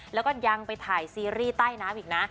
แล้วก็ยังไปถ่ายซีรีส์ใต้น้ำอีกนะ